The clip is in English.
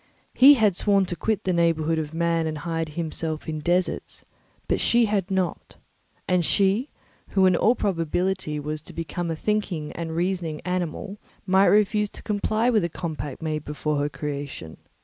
He had sworn to quit the neighbourhood of man and hide himself in deserts, but she had not; and she, who in all probability was to become a thinking and reasoning animal, might refuse to comply with a compact made before her creation.